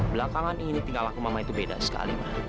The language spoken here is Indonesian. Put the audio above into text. belakangan ini tinggal aku mama itu beda sekali